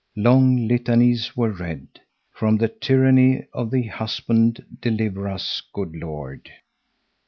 Long litanies were read. From the tyranny of the husband deliver us, good Lord!